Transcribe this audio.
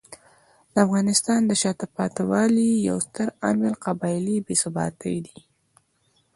د افغانستان د شاته پاتې والي یو ستر عامل قبایلي بې ثباتي دی.